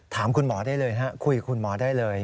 ถามคุณหมอได้เลยคุยกับคุณหมอได้เลย